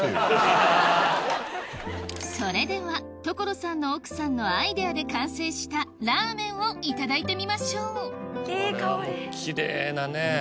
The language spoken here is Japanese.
それでは所さんの奥さんのアイデアで完成したラーメンをいただいてみましょうこれはもうきれいなね。